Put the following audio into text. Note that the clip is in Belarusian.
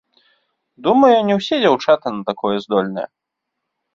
Думаю, не ўсе дзяўчаты на такое здольныя.